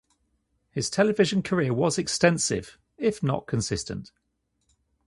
His television career was extensive, if not consistent.